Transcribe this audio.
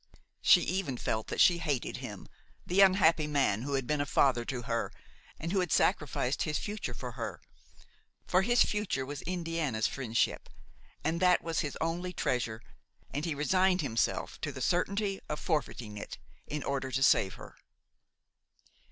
She even felt that she hated him, the unhappy man who had been a father to her and who had sacrificed his future for her; for his future was Indiana's friendship; that was his only treasure, and he resigned himself to the certainty of forfeiting it in order to save her.